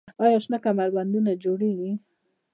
آیا شنه کمربندونه جوړیږي؟